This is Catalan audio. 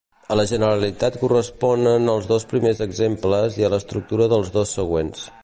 A la generalitat corresponen els dos primers exemples i a l'estructura dels dos següents.